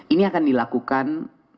ini akan dilakukan